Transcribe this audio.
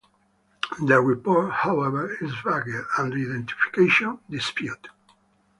The report, however, is vague and the identification disputed.